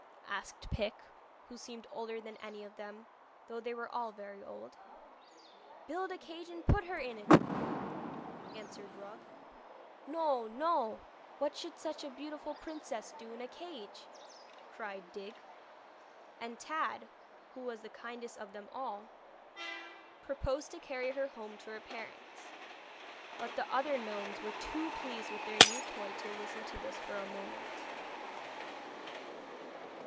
asked Pic, who seemed older than any of them, though they were all very old. 'Build a cage and put her into it,' answered Rug. 'No! No! What should such a beautiful princess do in a cage?' cried Dig. And Tad, who was the kindest of them all, proposed to carry her home to her parents. But the other gnomes were too pleased with their new toy to listen to this for a moment.